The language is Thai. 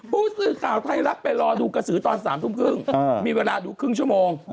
ผู้สื่อข่าวไทยรัฐไปรอดูกระสือตอน๓ทุ่มครึ่งมีเวลาดูครึ่งชั่วโมง